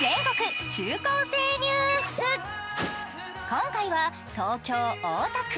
今回は東京・大田区。